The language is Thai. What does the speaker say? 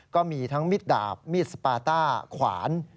ก็มีทั้งมิดดาบมีดสปาต้าขวาน